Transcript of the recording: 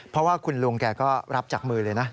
เพราะว่าคุณลุงแกก็รับจากมือเลยนะ